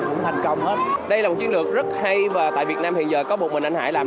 cũng thành công hết đây là một chiến lược rất hay và tại việt nam hiện giờ có một mình anh hải làm